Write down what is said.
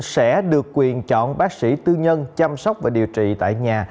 sẽ được quyền chọn bác sĩ tư nhân chăm sóc và điều trị tại nhà